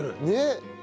ねえ。